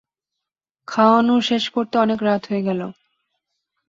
খাওয়ানো শেষ করতে অনেক রাত হয়ে গেল।